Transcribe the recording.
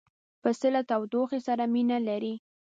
پسه له تودوخې سره مینه لري.